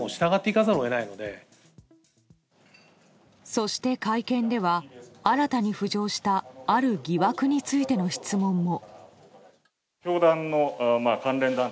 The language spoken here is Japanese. そして会見では新たに浮上したある疑惑についての質問も。